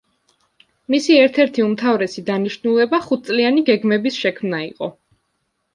მისი ერთ-ერთი უმთავრესი დანიშნულება ხუთწლიანი გეგმების შექმნა იყო.